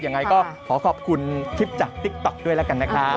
ยังไงก็ขอขอบคุณคลิปจากติ๊กต๊อกด้วยแล้วกันนะครับ